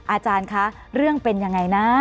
อาจารย์คะเรื่องเป็นยังไงนะ